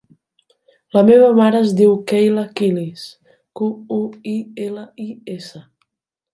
La meva mare es diu Keyla Quilis: cu, u, i, ela, i, essa.